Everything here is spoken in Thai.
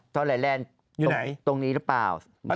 ตอแหลแลนด์ตรงนี้หรือเปล่าอยู่ไหน